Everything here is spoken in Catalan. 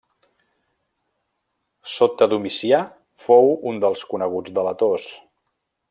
Sota Domicià fou un dels coneguts delators.